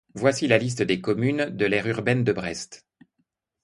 Voici la liste des communes de l'aire urbaine de Brest.